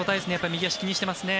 右足、気にしてますね。